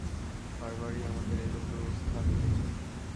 বার-বারই আমাদের এইরূপ দুরবস্থা হইতেছে।